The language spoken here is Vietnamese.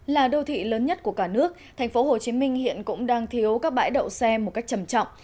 là đô thị lớn nhất của cả nước thành phố hồ chí minh hiện cũng đang thiếu các bãi đậu xe một cách chầm trọng